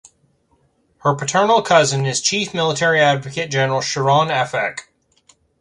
Her paternal cousin is Chief Military Advocate General Sharon Afek.